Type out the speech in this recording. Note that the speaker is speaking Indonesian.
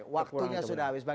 waktunya sudah habis